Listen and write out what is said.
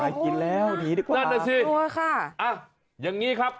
ไม่กินแล้วหนีดิปลาร้านั่นนะสิโอ้ค่ะอ่ะอย่างงี้ครับ